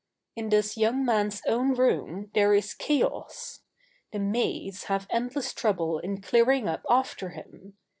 In this young man's own room there is chaos. The maids have endless trouble in clearing up after him.